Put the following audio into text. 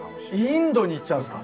インドに行っちゃうんですか？